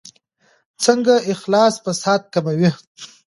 څنګه اخلاص فساد کموي؟